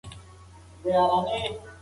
نفوس بايد کنټرول سي.